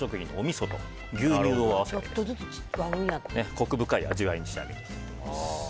コク深い味わいに仕上げていきます。